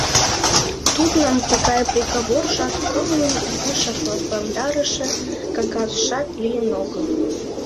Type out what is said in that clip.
Тудлан тыгай приговоржат, кумылым изишак лыпландарыше кагазшат лийын огыл.